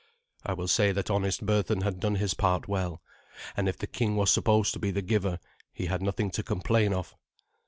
I will say that honest Berthun had done his part well; and if the king was supposed to be the giver, he had nothing to complain of.